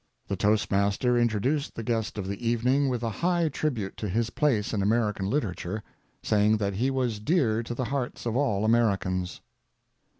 The toastmaster introduced the guest of the evening with a high tribute to his place in American literature, saying that he was dear to the hearts of all Americans.